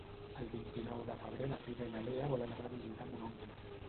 El vint-i-nou de febrer na Frida i na Lea volen anar a visitar mon oncle.